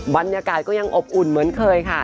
บรรยากาศก็ยังอบอุ่นเหมือนเคยค่ะ